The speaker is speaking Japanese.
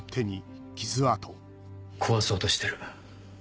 壊そうとしてる。